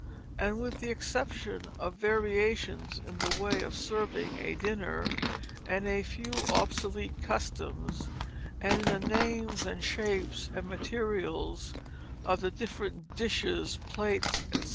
and with the exception of variations in the way of serving a dinner, and a few obsolete customs, and in the names and shapes and materials of the different dishes, plates, etc.